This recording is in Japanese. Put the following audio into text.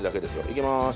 いきます。